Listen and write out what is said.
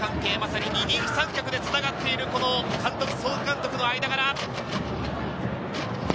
師弟関係、まさに二人三脚でつながっている監督、総監督の間柄。